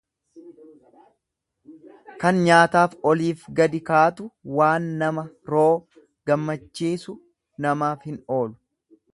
Kan nyaataaf oliifi gadi kaatu waan nama roo gammachiisu namaaf hin oolu.